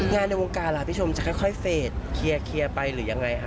ในวงการล่ะพี่ชมจะค่อยเฟสเคลียร์ไปหรือยังไงคะ